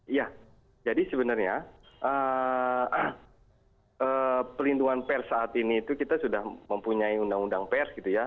iya jadi sebenarnya perlindungan pers saat ini itu kita sudah mempunyai undang undang pers gitu ya